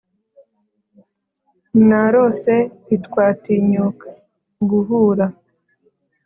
narose; ntitwatinyuka guhura!